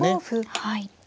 はい。